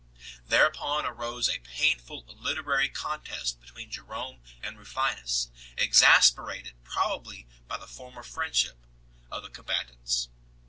Thereupon arose a painful literary con test between Jerome and Rufinus 2 , exasperated probably by the former friendship of the combatants.